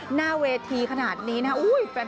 หน้าเวทีขนาดนี้นะครับ